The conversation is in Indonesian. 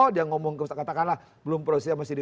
dia ngomong katakanlah belum prosesia